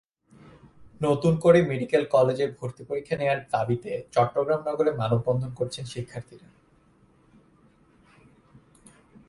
নতুন করে মেডিকেল কলেজের ভর্তি পরীক্ষা নেওয়ার দাবিতে চট্টগ্রাম নগরে মানববন্ধন করেছেন শিক্ষার্থীরা।